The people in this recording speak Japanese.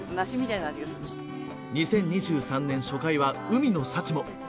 ２０２３年初回は海の幸も。